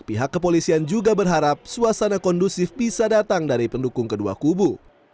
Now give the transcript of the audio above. pihak kepolisian juga berharap suasana kondusif bisa datang dari pendukung kedua kubu